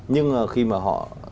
nhưng khi mà họ